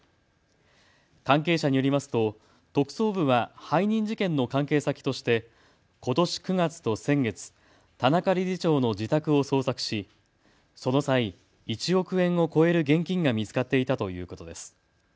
関係者によりますと特捜部は背任事件の関係先としてことし９月と先月、田中理事長の自宅を捜索しその際、１億円を超える現金が見つかっていたということです。